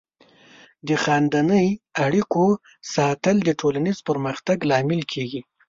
د خاندنۍ اړیکو ساتل د ټولنیز پرمختګ لامل کیږي.